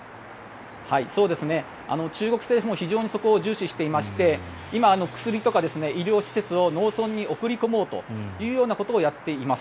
中国政府も非常にそこを重視していまして今、薬とか医療施設を農村に送り込もうということをやっています。